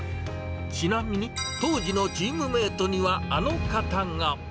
ちなみに当時のチームメートにはあの方が。